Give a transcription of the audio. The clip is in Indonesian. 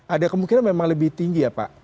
ada kemungkinan memang lebih tinggi ya pak